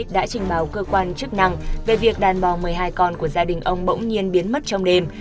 đã trình báo cơ quan chức năng về việc đàn bò một mươi hai con của gia đình ông bỗng nhiên biến mất trong đêm